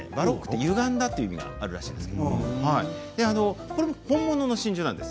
ゆがんだ、という意味があるらしいんですけれど本物の真珠です。